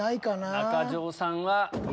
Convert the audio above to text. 中条さんは上。